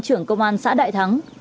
trưởng công an xã đại thắng